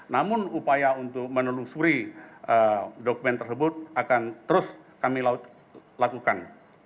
namun upaya untuk menelusuri dokumen tersebut akan terus kami lakukan